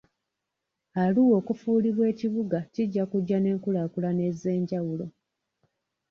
Arua okufuulibwa ekibuga kijja kujja n'enkulaakulana ez'enjawulo.